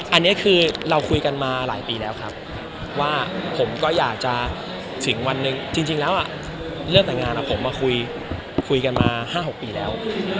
อันนี้คือเราคุยกันมาหลายปีแล้วครับว่าผมก็อยากจะถึงวันหนึ่งจริงแล้วเรื่องแต่งงานผมมาคุยกันมา๕๖ปีแล้ว